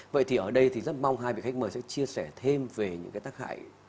vậy thì ở đây thì rất mong hai vị khách mời sẽ chia sẻ thêm về những cái tác hại